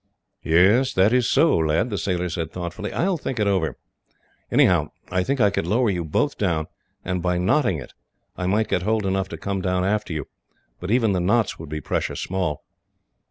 "Yes, that is so, lad," the sailor said thoughtfully. "I will think it over. Anyhow, I think I could lower you both down, and by knotting it I might get hold enough to come down after you; but even the knots would be precious small."